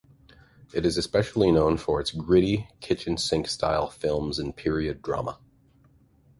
It is especially known for its gritty, kitchen sink-style films and period drama.